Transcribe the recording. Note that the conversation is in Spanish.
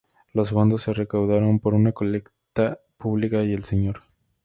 Los fondos se recaudaron por una colecta pública y el Sr.